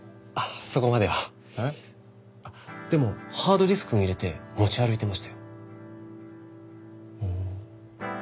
でもハードディスクに入れて持ち歩いてましたよ。